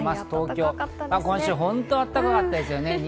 東京、今週は本当にあったかかったですよね。